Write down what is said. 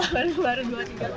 baru dua tiga tahun